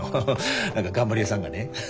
何か頑張り屋さんがね。